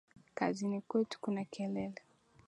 Kazini kwetu kuna kelele